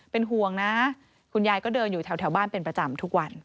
เป็นห่วงนะคุณยายก็เดินอยู่แถวบ้านเป็นประจำทุกวัน